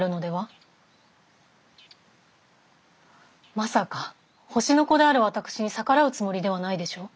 まさか星の子である私に逆らうつもりではないでしょう？